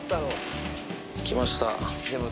来ました。